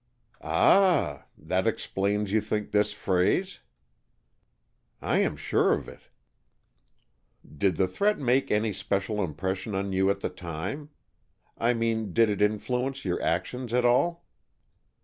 "Ah! That explains, you think, this phrase?" "I am sure of it." "Did the threat make any special impression on you at the time? I mean did it influence your actions at all?"